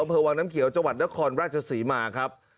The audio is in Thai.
อำเภอวังน้ำเขียวจังหวัดนครราชศรีมาครับ